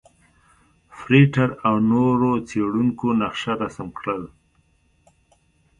فرېټر او نورو څېړونکو نقشه رسم کړل.